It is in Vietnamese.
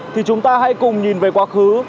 thì chúng ta hãy cùng nhìn về quá khứ